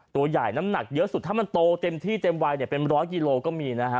ตัวใหญ่น้ำหนักเยอะสุดถ้ามันโตเต็มที่เต็มวัยเนี่ยเป็นร้อยกิโลก็มีนะฮะ